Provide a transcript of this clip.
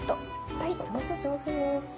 はい上手上手です。